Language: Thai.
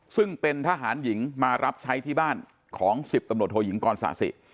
ซึ่งเป็นทหารหญิงมารับใช้ที่บ้านของ๑๐ตำรวจโทยิงกรศาสิ